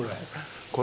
これ。